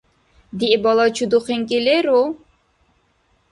Диъбала чуду-хинкӀи леру?